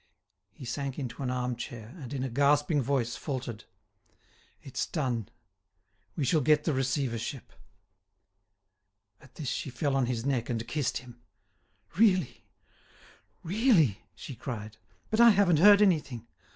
He sank into an arm chair, and, in a gasping voice, faltered: "It's done; we shall get the receivership." At this she fell on his neck and kissed him. "Really? Really?" she cried. "But I haven't heard anything.